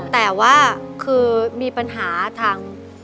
แต่ว่าคือมีปัญหาทาง